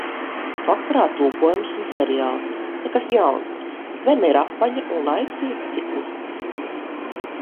Vakarā tulkojums un seriāls. Nekas jauns. Zeme ir apaļa un laiks ir ciklisks.